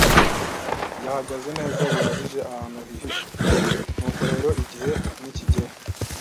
yahagaze neza bihagije, ahantu hihishe, nuko rero, igihe nikigera,